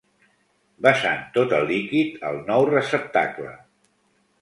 Vessant tot el líquid al nou receptacle.